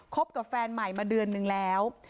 กับแฟนใหม่มาเดือนนึงแล้ว